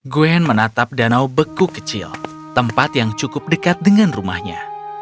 gwen menatap danau beku kecil tempat yang cukup dekat dengan rumahnya